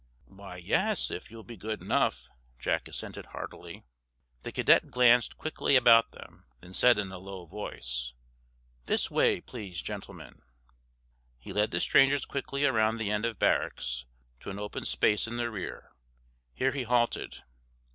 "Why, yes, if you'll be good enough," Jack assented, heartily. The cadet glanced quickly about him, then said in a low voice: "This way, please, gentlemen." He led the strangers quickly around the end of barracks to an open space in the rear. Here he halted.